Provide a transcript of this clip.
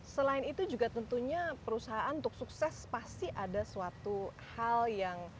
selain itu juga tentunya perusahaan untuk sukses pasti ada suatu hal yang